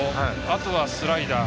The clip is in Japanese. あとは、スライダー。